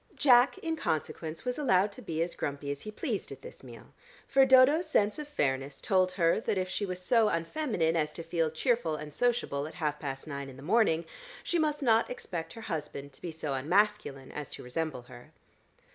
Jack, in consequence, was allowed to be as grumpy as he pleased at this meal, for Dodo's sense of fairness told her that if she was so unfeminine as to feel cheerful and sociable at half past nine in the morning, she must not expect her husband to be so unmasculine as to resemble her.